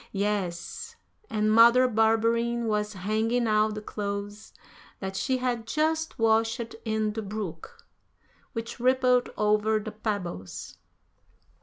Yes, and Mother Barberin was hanging out the clothes that she had just washed in the brook, which rippled over the pebbles.